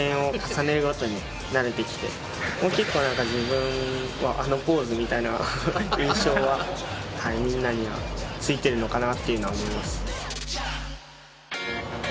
もう結構なんか自分はあのポーズみたいな印象はみんなにはついてるのかなっていうのは思います。